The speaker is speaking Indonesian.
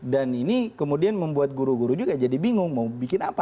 ini kemudian membuat guru guru juga jadi bingung mau bikin apa